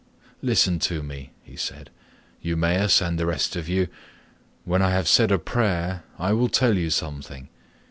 "Listen to me," said he, "Eumaeus and the rest of you; when I have said a prayer I will tell you something.